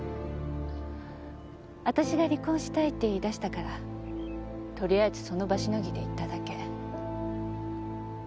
わたしが離婚したいって言いだしたから取りあえずその場しのぎで言っただけ。